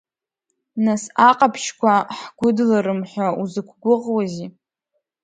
Нас аҟаԥшьқәа ҳгәыдларым ҳәа узықәгәыӷуази?